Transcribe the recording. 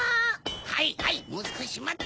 はいはいもうすこしまって。